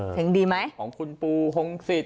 เช็คดีมั้ยของคุณปูฮงศิษย์